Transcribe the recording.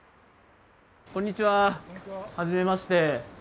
こんにちは、はじめまして。